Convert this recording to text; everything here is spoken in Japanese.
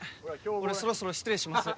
俺そろそろ失礼します